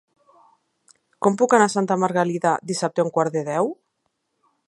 Com puc anar a Santa Margalida dissabte a un quart de deu?